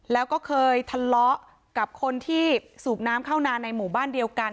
แล้วก็เคยทะเลาะกับคนที่สูบน้ำเข้านานในหมู่บ้านเดียวกัน